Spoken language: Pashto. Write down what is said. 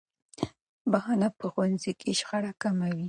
بخښنه په ښوونځي کې شخړې کموي.